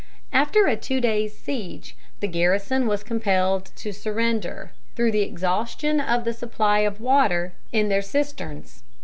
After a two days' siege, the garrison was compelled to surrender, through the exhaustion of the supply of water in their cisterns.